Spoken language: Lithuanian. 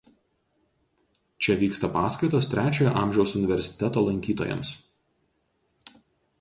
Čia vyksta paskaitos Trečiojo amžiaus universiteto lankytojams.